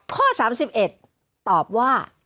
ข้อ๓๑ตอบว่า